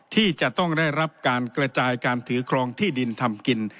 ที่จะต้องได้รับการกระจายการถือครองที่ดินทำกิน